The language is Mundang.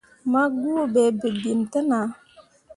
Ma guuɓe bebemme te nah.